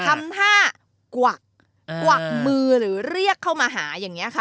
ทำท่ากวักกวักมือหรือเรียกเข้ามาหาอย่างนี้ค่ะ